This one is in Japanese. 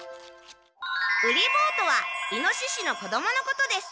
ウリ坊とはイノシシの子どものことです。